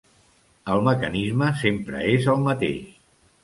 El mecanisme sempre és el mateix.